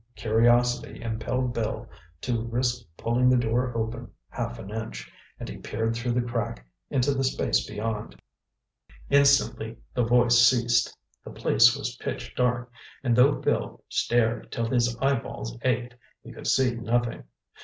Curiosity impelled Bill to risk pulling the door open half an inch, and he peered through the crack into the space beyond. Instantly the voice ceased. The place was pitch dark, and though Bill stared till his eye balls ached, he could see nothing.